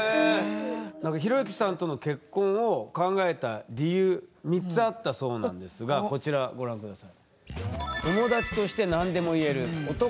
なんか寛之さんとの結婚を考えた理由３つあったそうなんですがこちらご覧下さい。